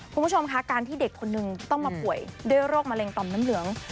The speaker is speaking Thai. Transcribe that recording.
คุณผู้ชมค่ะการที่เด็กคนนึงต้องมาป่วยด้วยโรคมะเร็งต่อมน้ำเหลือง